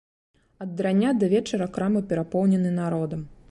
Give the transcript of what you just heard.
Ад рання да вечара крамы перапоўнены народам.